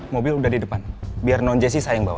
mobil udah di depan biar non jessi saya yang bawa